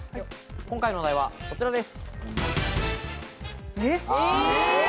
今回のお題はこちらです。